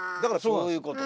そういうことか。